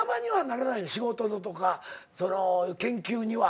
仕事のとか研究には。